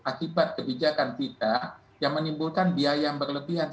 akibat kebijakan kita yang menimbulkan biaya yang berlebihan